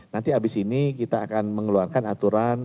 nanti abis ini kita akan mengeluarkan aturan